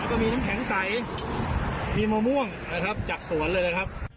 แล้วก็มีน้ำแข็งใสมีมะม่วงนะครับจากสวนเลยนะครับ